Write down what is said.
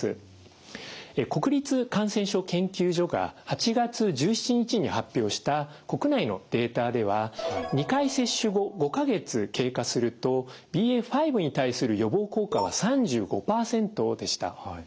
国立感染症研究所が８月１７日に発表した国内のデータでは２回接種後５か月経過するとＢＡ．５に対する予防効果は３５％でした。